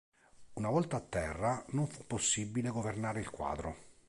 Una volta a terra, non fu possibile governare il quadro.